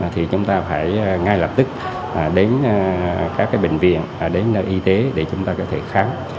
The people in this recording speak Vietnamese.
thì chúng ta phải ngay lập tức đến các bệnh viện đến y tế để chúng ta có thể khám